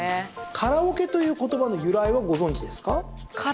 カラオケという言葉の由来はご存じですか？